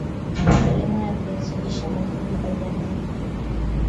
Elimu ya viazi Lishe muhimu kwa jamii